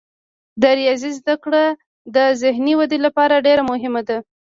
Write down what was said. د ریاضي زده کړه د ذهني ودې لپاره ډیره مهمه ده.